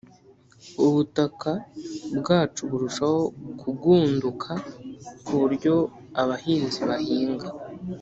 ubutaka bwacu burushaho kugunduka ku buryo abahinzi bahinga